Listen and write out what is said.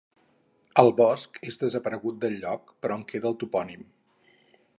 El bosc és desaparegut del lloc, però en queda el topònim.